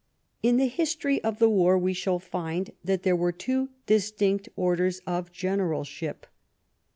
In the history of the war we shall find that there were two distinct orders of generalship.